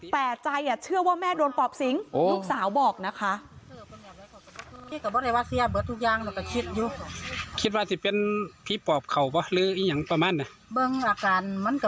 แต่ใจเชื่อว่าแม่โดนปอบสิงลูกสาวบอกนะคะ